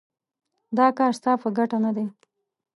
دا کار ستا په ګټه نه دی.